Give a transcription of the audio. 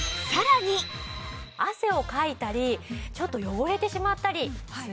汗をかいたりちょっと汚れてしまったりするじゃないですか。